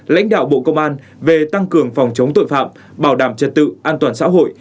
lãnh đạo bộ công an về tăng cường phòng chống tội phạm bảo đảm trật tự an toàn xã hội